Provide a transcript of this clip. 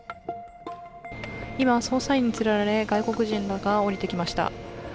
今、捜査員に連れられ外国人が降りてきました。